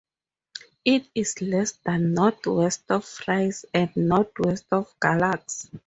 It is less than northwest of Fries and northwest of Galax.